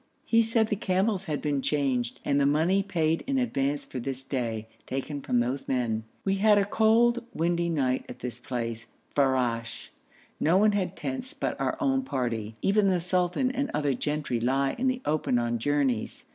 He said the camels had been changed, and the money paid in advance for this day, taken from those men. We had a cold, windy night at this place, Farash. No one had tents but our own party; even the sultan and other gentry lie in the open on journeys.